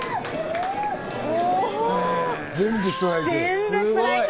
全部ストライク。